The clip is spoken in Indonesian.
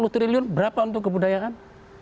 empat puluh triliun berapa untuk kebudayaan